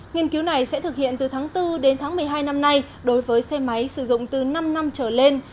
nghiên cứu này sẽ thực hiện từ tháng bốn đến tháng một mươi hai năm nay đối với xe máy sử dụng từ năm năm trở lên